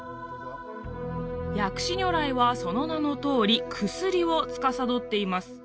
薬師如来はその名のとおり薬をつかさどっています